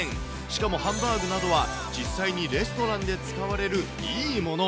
しかもハンバーグなどは実際にレストランで使われるいいもの。